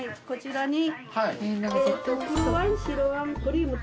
こちらに。